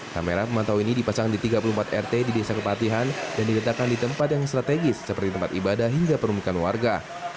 kamera pemantau ini dipasang di tiga puluh empat rt di desa kepatihan dan diletakkan di tempat yang strategis seperti tempat ibadah hingga permukaan warga